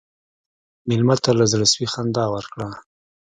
مېلمه ته له زړه سوي خندا ورکړه.